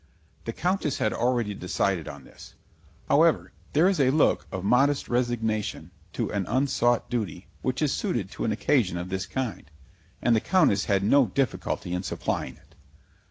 The Countess had already decided on this. However there is a look of modest resignation to an unsought duty which is suited to an occasion of this kind, and the Countess had no difficulty in supplying it.